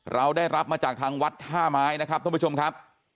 เราได้รับมาจากทางวัดท่าไม้นะครับท่านผู้ชมครับ